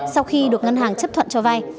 sau khi được ngân hàng chấp thuận cho vai